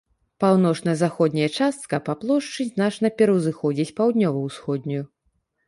Паўночна-заходняя частка па плошчы значна пераўзыходзіць паўднёва-ўсходнюю.